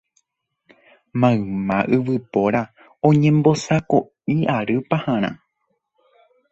mayma yvypóra oñembosako'i ary paharã